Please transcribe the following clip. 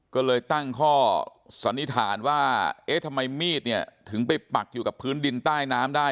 ก็เลยตั้งข้อสันนิษฐานว่าเอ๊ะทำไมมีดเนี่ยถึงไปปักอยู่กับพื้นดินใต้น้ำได้